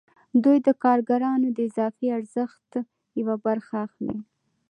دوی د کارګرانو د اضافي ارزښت یوه برخه اخلي